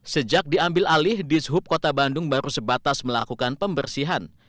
sejak diambil alih dishub kota bandung baru sebatas melakukan pembersihan